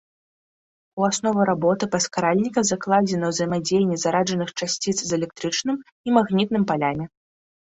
У аснову работы паскаральніка закладзена ўзаемадзеянне зараджаных часціц з электрычным і магнітным палямі.